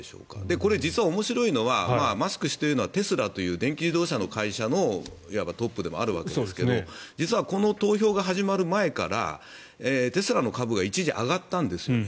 これ実は面白いのはマスク氏というのはテスラという電気自動車の会社のいわばトップでもあるわけですが実はこの投票が始まる前からテスラの株が一時、上がったんですよね。